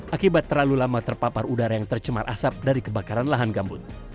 akibat terlalu lama terpapar udara yang tercemar asap dari kebakaran lahan gambut